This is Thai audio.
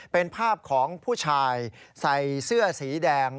เป็นภาพของผู้ชายใส่เสื้อสีแดง